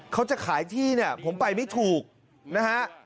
เขาจะขายที่เนี่ยผมไปไม่ถูกนะฮะ